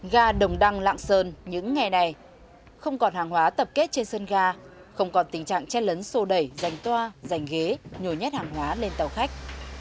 ga đồng đăng lạng sơn những ngày này không còn hàng hóa tập kết trên sân ga không còn tình trạng chen lấn sô đẩy dành toa giành ghế nhồi nhét hàng hóa lên tàu khách